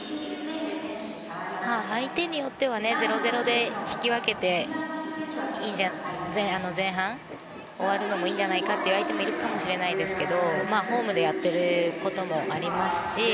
相手によっては０−０で引き分けて前半終わるのもいいんじゃないかという方もいるかもしれませんがホームでやっていることもありますしＦＩＦＡ